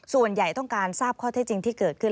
ส่วนใหญ่ต้องการทราบข้อเท็จจริงที่เกิดขึ้น